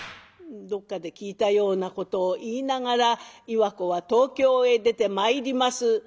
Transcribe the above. どっかで聞いたようなことを言いながら岩子は東京へ出てまいります。